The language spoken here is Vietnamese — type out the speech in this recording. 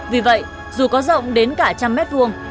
vì vậy dù có rộng đến cả trăm mét vuông